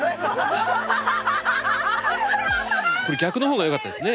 これ逆の方がよかったですね。